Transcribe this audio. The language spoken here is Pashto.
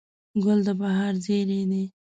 ګل د بهار زېری دی.